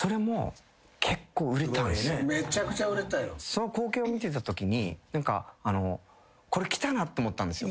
その光景を見てたときに何かあの。と思ったんですよ。